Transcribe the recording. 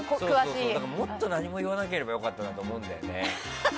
もっと何も言わなければよかったなって思うんだよね。